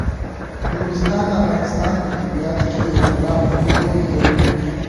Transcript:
نورستان د افغانستان په طبیعت کې یو خورا مهم رول لري.